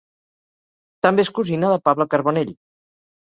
També és cosina de Pablo Carbonell.